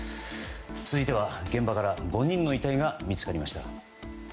続いては、現場から５人の遺体が見つかりました。